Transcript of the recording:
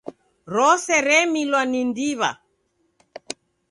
Rose remilwa ni ndiw'a.